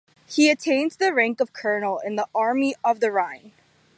He attained the rank of colonel in the Army of the Rhine.